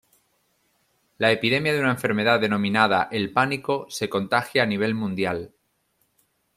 La epidemia de una enfermedad denominada "el pánico" se contagia a nivel mundial.